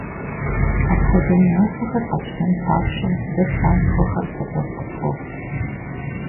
Апхуэдэ унафэхэр къэтщтэн папщӀэ, дэ псантхуэхэр сэбэп къытхуохъу.